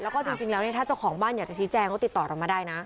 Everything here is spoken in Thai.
แล้วก็จริงแล้วเนี่ยถ้าเจ้าของบ้านอยากจะชี้แจงก็ติดต่อเรามาได้นะ